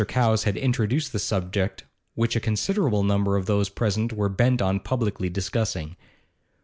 Cowes had introduced the subject which a considerable number of those present were bent on publicly discussing.